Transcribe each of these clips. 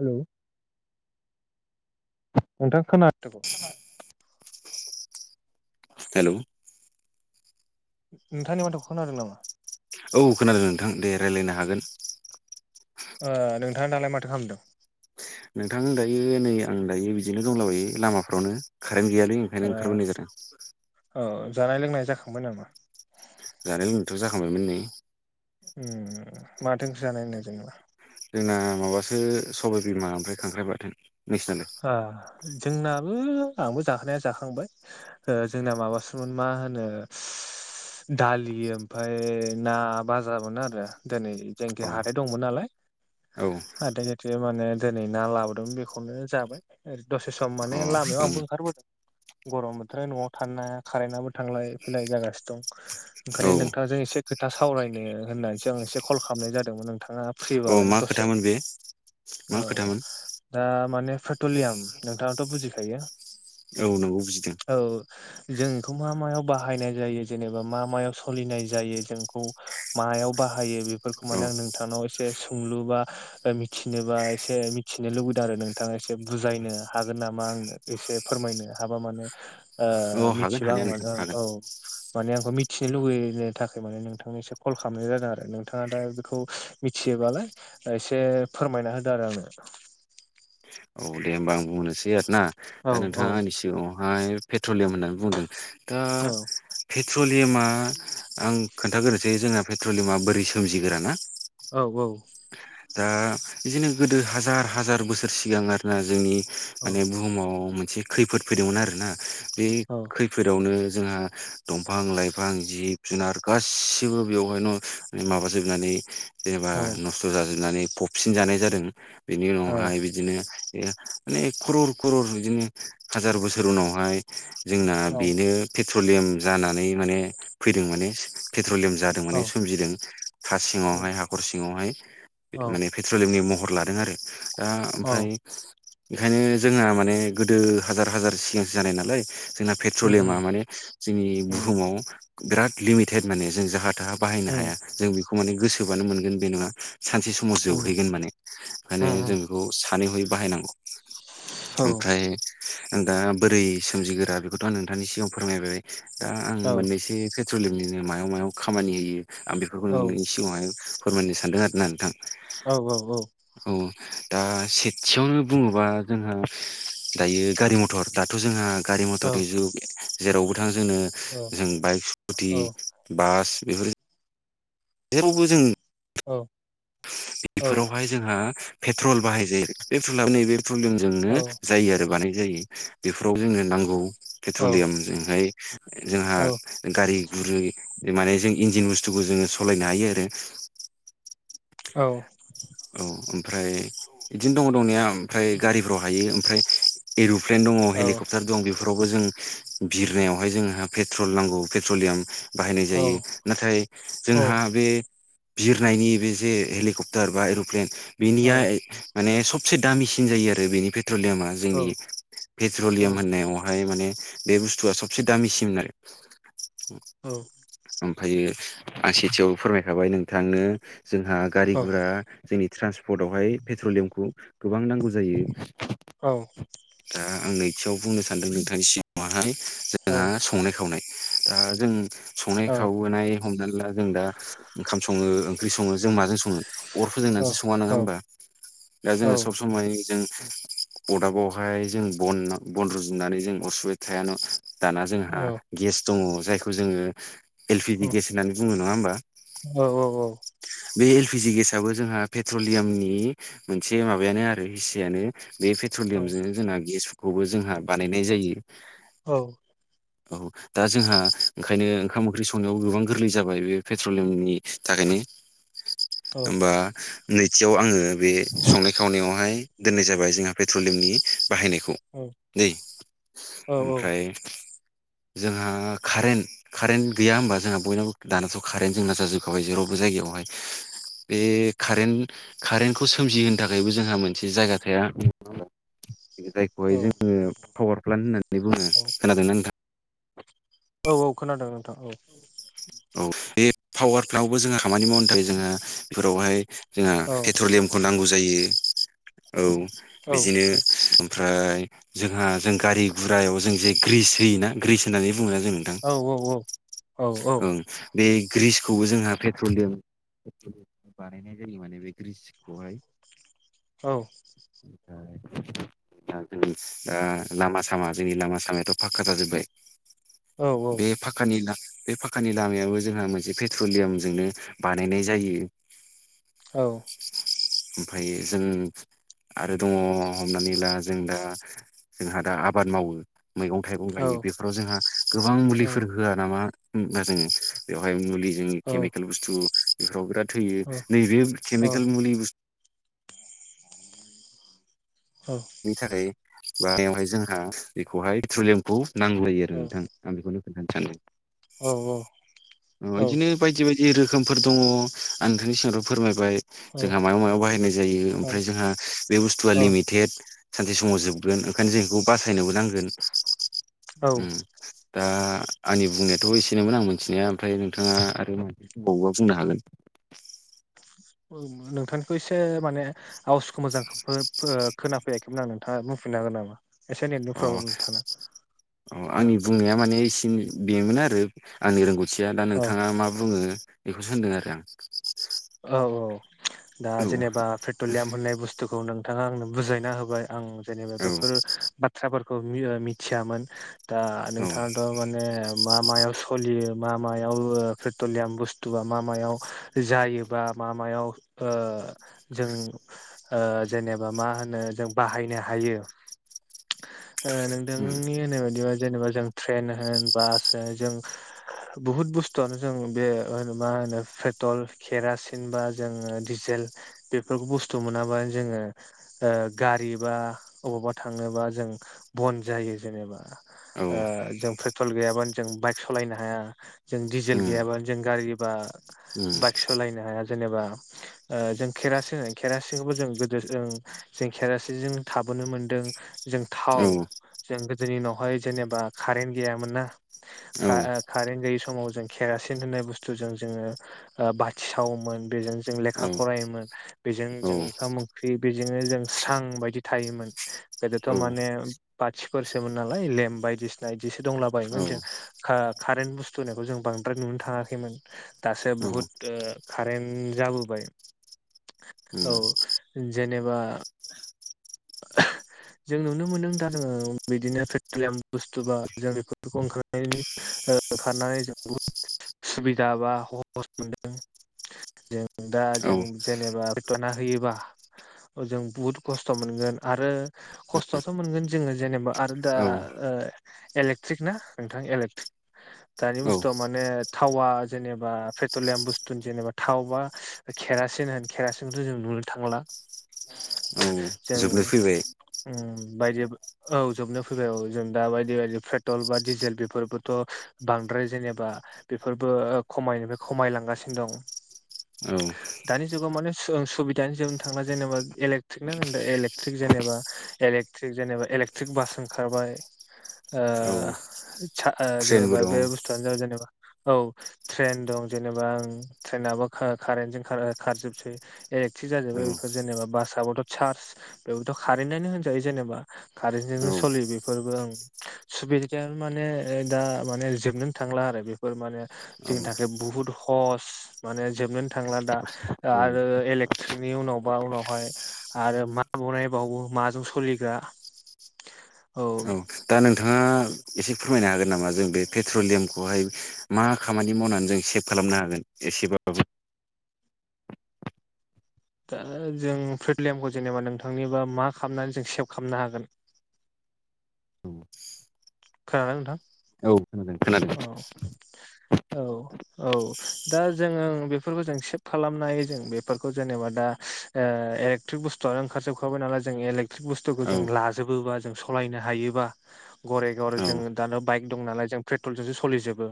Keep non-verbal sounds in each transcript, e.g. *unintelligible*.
Hello नोथां खोनादों hello नोंथाङा आंनि माथोखौ खोनोदों नामा औ खोनादों नोंथां दे रायलायनो हागोन नोंथाङा दालाय माथो खालामदों नोंथां दायो नै आं दायो बिदिनो दंलाबायो लामाफ्रावनो कारेन्ट गैयालै ओंखायनो ओ ओंखारबोनाय जादों औ जानाय लोंनाय जाखांबाय नामा? जानाय लोंनायथ जाखांबायमोन नै उम माथो ओंख्रि जानायनो जेनबा जोंना माबासो सबाय बिमा ओमफ्राय खांख्राइ बाथोन नोंसिनालाय आ जोंनाबो आंबो जाखांनाया जाखांबाय जोंना माबासोन मा होनो दालि ओमफ्राय ना बाजामोन आरो दिनै अ जायनोखै हाथाय दंमोन नालाय औ जे माने दिनै ना लाबोदों बेखौ नो जाबाय ओरै दसे सम माने लामायाव आंबो ओंखारबोदों गरम बोथोराव न'आव थानो हाया कारेन्टआबो थांलाय फैलाय जागासि दं औ ओंखायनो नोंथांजों एसे खोथा सावरायनो होननानैसो आं एसे कल खालामनाय जादोंमोन नोंथाङा औ फ्रिबालाय मा दसे खोथामोन बे मा औ खोथामोन दा माने पेट्रलियाम नोंथाङाथ बुजिखायो औ नंगौ बुजिदों औ जों इखौ मा मायाव बाहायनाय जायो जेनेबा मा मायाव सलिनाय जायो जों इखौ मायाव बा हायो बेफोरखौ औ माने आं नोंथांनाव एसे सोंलु बा मिथिनो बा एसे मिथिनो लु दों आरो नोंथाङा एसे बुजायनो हागोन नामा आंनो एसे फोरमायनो हाबा माने ओ औ हागोन मिथिबा हानाया आं नोंथां मानो हागोन औ माने आंखौ मिथिनो लुुबैनो थाखाय माने नोंथांनिसिम कल खालामनाय जादों आरो नोंथाङा दा बेखौ मिथि योबालाय एसे फोरमायना होदो आरो आंनो औ दे होमबा आं बुंनोसै आरोना दा औ औ नोंथाङा आंनि सिगाङावहाय पे ट्रलियाम होननानै बुंदों दा औ पेट्रलियामा आं खोन्थाग्रोसै जोंना पेट्रलियामा बोरै सोमजिगोरा ना औ औ दा बिदिनो गोदो हाजार हाजार बोसोर सिगां आरोना जोंनि माने बुहुमाव मोनसे खैफोद फैदोंमोन आरोना बे औ खैफोदावनो जोंहा दंफां लाइफां जिब जुनार गासिबो बेवहायनो माबाजोबनानै जेनेबा औ नस्थ जाजोबनानै फबसिन जानाय जादों बेनि उनावहाय बिदिनो बे माने खरर खरर बिदिनो हाजार बोसोर उनावहाय जोंना ओ बेनो पेट्रलियाम जानानै माने फैदों माने पे पेट्रलियाम जादों औ माने सोमजिदों हा औ सिङावहाय हाखर सिङावहाय औ माने पेट्रलियामनि मह हर लादों आरो दा औ ओमफ्राय बेखायनो जोंहा माने गोदो हाजार हाजार सिगांसो जानाय नालाय जोंना उम पेट्रलियामा माने जोंनि उम बुहुमाव बिराद लिमिटेद माने जों जाहा थाहा बाहायनो उम हाया जों बेखौ माने गोसोबानो मोनगोन बे नङा सानसे समाव उम उम जोबहैगोन माने औ ओंखायनो जों बेखौ सानैहयै बाहायनांगौ औ ओमफ्राय दा बोरै सोमजिगोरा बेखौथ आं नोंथांनि सिगाङाव फोरमायबाय दा आं औ मोननैसो खो ट्रलियामनिनो मायाव मायाव खामानि होयो आं बेफोरखौ औ नोंनि सिगाङावहाय फोरमायनो सानदों आरना औ औ औ दा सेथियावनो बुङोबा जोंहा दायो गारि मथर दाथ जोंङो गारि मथरनि जुग जेरावबो थां जोंनो जों बाइक स्कुटि बास बेफोरो जेरावबो जों औ बिफोरावहाय जोंहा पेट्रल बाहाय जायो पेट्रला नैबे पेट्रलियामजोंनो जायो आरो बानाय जायो बेफोराव जोंनो नांगौ पेट्रलियामजोंहाय जोंहा गारि गुरै माने जों इन्जिन बुस्थुखौ जोङो सालायनो हायो आरो औ औ ओमफ्राय बिदिनो दङ' दंनाया ओमफ्राय गारिफ्राव हायो ओमफ्राय एर' प्लेन दङ' हेलिकप्टार दं बेफोर रावबो जों बिरनायावहाय जोंहा पेट्रल नांगौ पेट्रलियाम बाहायनाय जायो नाथाय जोंहा बे बिरनायनि बे जे हेलिकप्टार बा एर'प्लेन बिनिया माने सबसे दामिसिन जायो आरो बेनिफ्राय पेट्रलियामा जोंनि पेट्रलियाम होननायावहाय माने बे बुस्थुआ सबसे दामिसिम *unintelligible* उम ओमफायो आं सेथियाव फोरमायखाबाय नोंथांनो जोंहा गारि गुरा जोंनि ट्रान्सपदावहाय पेट्रलियामखौ गोबां नांगौ जायो ओ आं नैथियाव बुंनो सानदों नोंथांनि सिगाङाहाय जोंहा संनाय खावनाय दा जों संनाय खावोनाय हमनानै ला जों दा ओंखाम सङो ओंख्रि सङो जों माजों सङो? अर फोजोंनानैसो सङा नङा होमबा दा जोङो सब समाय जों अदाबावहाय जों बना-बन रुजुनानै जों अर सुबाय थायान' दाना जोंहा गेस दङ'। जायखौ जोङो एल पि जि गेस होननानै बुङो नङा होमबा। बे एलपि जि गेसआबो जोंहा पेट्रलियामनि मोनसे माबायानो आरो हिस्सायानो। बे पेट्रलियामजों जोंहा गेसखौबो जोंहा बानायनाय जायो औ औ दा जोंहा ओंखायनो ओंखाम ओंख्रि संनायावबो गोबां गोरलै जाबाय बे पेट्रलियामनि थाखाय *unintelligible* *unintelligible* होमबा नैथियाव आङो बे संनाय खावनायावहाय दोननाय जाबाय जोंहा पेट्रलियमनि बाहायनायखौ दै ओमफ्राय जोंहा कारेन्ट कारेन्ट गैया होमबा जोंहा बयन दानाथ' कारेन्ट जोंना जाजोबखाबाय जेरावबो जायगायावहाय बे कारेन्ट कारेन्टखौ सोमजिहोनो थाखायबो जोंहा मोनसे जायगा थाया *inaudible* जायखौहाय औ जोङो पावार प्लेन होननानै बुङो खोनादोंना नोंथां? औ औ खोनादों नोंथां औ औ बे पावार प्लान्टावबो जोंहा खामानि मावनो थाखाय जोंहा बेफोरावहाय जोंहा औ पेट्रलियामखौ नांगौ जायो औ औ बिदिनो ओमफ्राय जोंहा जों गारि गुरायाव जों जे ग्रिस होयोना ग्रिस होनानै बुंङो ना जों नोंथां औ औ ओं बे ग्रिसखौबो जोंहा पेट्रलियाम बानायनाय जायो माने बे ग्रिसखौहाय औ *inaudible* दा जों ओ दा लामा सामा जोंनि लामा सामायाथ' फाखक्का जाजोब्बाय औ औ बे फाक्कानि ला बे फाखानि लामायाबो जोंहा मोनसे पेट्रलियामजोंनो बानायनाय जायो औ ओमफ्राय जों आरो दङ हमनानै ला जों दा जोंहा दा आबाद मावो मैगं थाइगं गायो बेफोराव जोंहा गोबां मुलिफोर होआ नामा? ब जो बेवहाय मुलि जों केमिकेल बुस्थु बेफोराव बिराद होयो नैबे केमिकेल मुलि बुस्थु बेनि थाखाय बहाय जोंहा बेखौहाय प्रेथलियामखौ नांगौ जायो आरो नोंथां आं बेखौनो खोन्थानो सानदों। औ औ। अ बिदिनो बायदि बायदि रोखोमफोर दङ आं नोंथांनि सिगावथ' फोरमायबाय जोंहा मायाव मायावायाव बाहायनाय जायो ओमफ्राय जोंहा बे बुस्थुआ लिमिटेड जदि समाव जोबगोन ओंखायनो जों बेखौ बासायनोबो नांगोन उम। दा आंनि बुंनायाथ' एसेनोमोन आं मिथिनाया ओमफ्राय नोंथाङा आरो मानसि बुंंबावोबा बुंनो हागोन। नोंथांनिखौ एसे माने आवजखौ मोजां खोनाफैयाखैमोन आं नोंथाङा। फिननांगोन नामा? एसे नेटनि अ प्रब्लेम नोंथांना अ औ आंनि बुंनाया माने से बेमोन आरो आंनि रोंगौथिया दा औ नोंथाङा मा बुङो। बेखौसो होनदों आरो आं। औ औ दा औ जेनेबा पेट्रलियाम होननाय बुस्थुखौ नोंथाङा आंनो बुजायना होबाय। आं जेनेबा औ बेफोर बाथ्राफोरखौ मिथियामोन। दा औ नोंथाङाथ' माने मा मायाव सलियो मा मायाव पेट्रलियाम बुस्थु मा मायाव जायो। बा मा मायाव ओ जों बा मा होनो जों बाहाय नों हायो ओ नोंथांनि होननाय बादिब्ला जेनेबा जों ट्रेन होन बास होन जों बुहुद बुस्थुआनो जों बे मा होनो फ्रेटल केेरासिन बा जोङो जेल बेफोरखौ बुस्थु मोनाबा जोंङो गारि बा बबावबा थांनोबा जों बन्द जायो जेनेबा उम औ जों पेट्रल गैयाबानो जों बाइक सालायनो हाया जों डिजेल उम गैयाबानो जों गारि बा *inaudible* बाइक सालायनो हाया जेनेबा जों खेरासिन खेरासिनखौबो जों गोदो जों खेरासिनजों थाबोनो मोन्दों। जों थाव औ जों गोदोनिनावहाय जेनेबा कारेन्ट गैयामोन ना औ खा कारेन्ट गैयि समाव जों केरासिन होननाय बुस्थुजों जोङो बाथि सावोमोन बेजों जों लेखा उम फरायोमोन बेजों जों ओंखाम ओंख्रि बेजोंनो जों स्रां बायदि थायोमोन गोदोथ' माने बाथिफोरसोमोन नालाय लेम बायदिसिना बिदिसिना से दंला औ बायोमोन जों कारेन्ट बुस्थु होननायखौ जों बांद्राय नुनो थाङाखैमोन दासो बुहुद कारेन्ट जाबोबाय। औ जेनेबा *inaudible* जों नुनो मोनदों दा जोङो बिदिनो पेट्रलियाम बुस्थु बा *inaudible* ओ ओंखारनानै जों बहुद सुबिदा बा हहस मोनदों। जों दा औ जों जेनेबा फथना होयोबा जों बुहुत खस्थ' खस्थ' मोनगोन आरो खस्थआथ' मोनगोन जोङो जेनेबा आरो दा इलेक्ट्रिक नोंथां इलेक्ट्रिक दानि औ बुस्थुआव माने थावा जेनेबा पेट्रलियाम बुस्थु जेनेबा थाव बा खेरासिन होन खेरासिनखौथ' जों नुनो थांला। औ जोबनो फैबाय। ओम। बायदि औ जोबनो फैबाय औ जों दा बायदि बायदि पेट्रल बा डिजेल बेफोरबोथ' बांद्राय आरो जेनेबा बेफोरबो खमायनोफ्राय खमायलांगासिनो दं। औ दानि जुगाव माने सुबिदानि जोबनो थांना जेनेबा इलेक्ट्रिक ना नों ओ एलेकट्रिक जेनेबा एलेक्ट्रिक जेनेबा एलेक्ट्रिक बास ओंखारबाय। ओ औ चा ओ ट्रेनबो जेनेबा दं बे बुस्थुआनो जाबाय जेनेबा औ ट्रेन दं जेनेबा ओं ट्रेनाबो खो कारेनजों खा ओ खारजोबसै। एलेक्ट्रि औ जाजोब्बाय बेफोर जेनेबा बासआबोथ' चार्ज बेबोथ' कारेन्टआनो होनजायो जेनेबा। औ कारेन्टजोंनो सलियो बेफोरबो ओं। सु बिरजा माने ओ दा माने जोबनोनो थांला आरो बेफोर माने औ जोंनि थाखाय बुहुत ह हस माने जोबनोनो थांला दा औ आरो इलेकट्रिकनि उनावबा उनावहाय आरो मा बनायबावो माजों सोलिग्रा औ। दा नोंथाङा एसे फोरमायनो हागोन नामा जों बे पेट्रलियामखौहाय मा खामानि मावनान जों सेभ खालामनो हागोन एसेबाबो? दा जों फ्रेटलियामखौ जेनेबा नोंथांनिबा मा खामनानै जों सेभ खालामनो हागोन? *inaudible* खोनादों ना नोंथां? औ खोनादों खोनादों। औ औ औ दा जोङो बेफोरखौ जों सेभ खालामनो हायो जों। बेफोरखौ जेनेबा दा ओ एलेकट्रिक बुस्थुआनो ओंखार जोबखाबाय नालाय जों एलेकट्रिक बुस्थुखौ औ जों लाजोबो जों स सलायनो हायोबा घरे घरे औ जों दानो बाइक दं नालाय जों पेट्रलजोंसो सलिजोबो।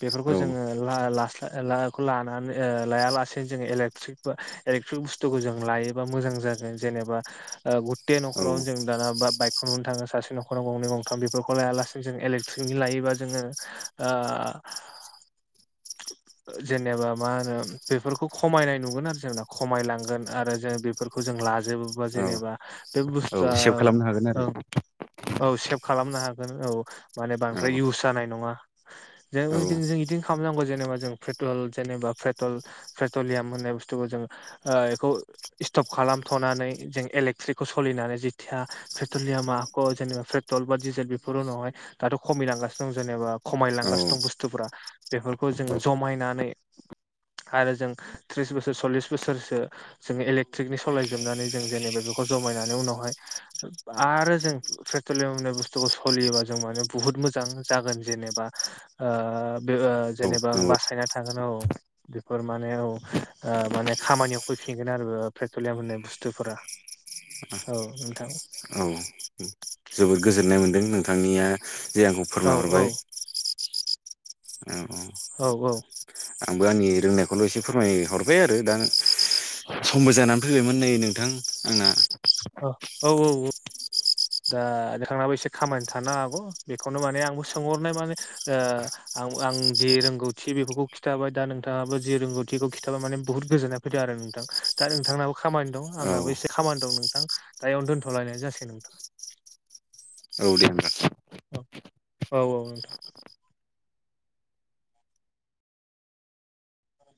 बेफोरखौ जोङो औ ला लास्ला लाखौ लानानै ओ लायालासे जोङो एलेक्ट्रिक बा एलेक्ट्रिक बुस्थुखौ जों लायोबा मोजां जागोन। जेनेबा ओ गुथे औ न'खरावनो जों दाना बा बायक खौ नुनो थाङो ससे नखराव गंनै गंथाम बि फोरखौ लाया लासेनो जों एलेक्ट्रिकनि लायोबा जोङो ओ *inaudible* ओ जेनेबा मा होनो बेफोरखौ खमायनाय नुगोन आरो जोंना। खमायलांगोन आरो जों बेफोरखौ जों लाजोबोबा औ जेनेबा बे औ बुथुआ सेभ खालामनो हागोन आरो ओं औ सेप खालामनो हागोन औ। माने बांद्राय औ इउस जानाय नङा। जों *unintelligible* इदिनो खामनांगौ जेन बा जों पेट्रल जेनेबा पेट्रल पेट्रलियाम होननाय बुसथुखौ जों ओ एखौ इस्टप खालामथ'नानै जों एलेक्ट्रिको सलिनानै जिथिया पेट्रलियामा आख' जेनेबा प्रेट टल बा डिजेल बेफोर उनावहाय दाथ' खमिलांगासिनो दं जेनेबा औ खमायलांगासि दं बुस्थुफोरा। बेफोरखौ जोङो जमायनानै आरो जों त्रिस बोसोर सल्लिस बोसोरसो जोङो एलेक्ट्रिकनि सलायजोबनानै जों जेनेबा बेखौ जमायनानै उनावहाय आरो जों प्रे ट्रलियाम होननाय बुस्थुखौ सलियोबा जों माने बुहुत मोजां जागोन जेनेबा। ओ बे ओ औ जेनेबा आं नंगौ बासायना थागोन औ बेफोर माने औ ओ माने खामानियाव फैफिनगोन आरो ओ प्रेटलियाम होननाय बुस्थुफोरा औ नोंथां। औ उम जोबोद गोजोननाय मोनदों नोंथांनिया जे आंखौ औ औ फोरमायहरबाय। औ औ। आंबो आंनि रोंनायखौल' एसे फोरमायहरबाय आरो दा समबो जाना फैबायमोन नै नोंथां आंना। अ औ औ औ। दा नोंथाङाबो एसे खामानि थानो हागौ बेखौनो माने आंबो सोंहरनाय माने ओ आं आं जि रोंगौथि बेफोरखौ खिथाबाय दा नोंथाङाबो जि रोंगौथिखौ इखौ खिथाबा माने बुहुत गोजोननाय फैदों आरो। नोंथां। दा नोंथांनाबो खामानि दं औ आंनाबो एसे खामानि दं नोंथां। दा इयावनो दोनथ'लायनाय जासिगोन नोंथां। औ दे होमबा अ औ औ नोंथां।